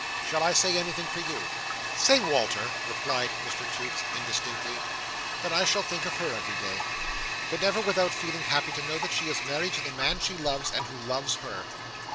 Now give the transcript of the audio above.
Shall I say anything for you?" "Say, Walter," replied Mr Toots indistinctly, "that I shall think of her every day, but never without feeling happy to know that she is married to the man she loves, and who loves her.